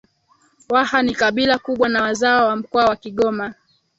Waha ni kabila kubwa na wazawa wa mkoa wa kigoma